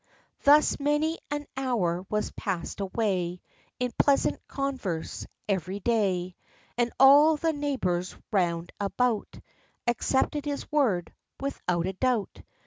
Thus many an hour was passed away In pleasant converse every day; And all the neighbors round about Accepted his word, without a doubt.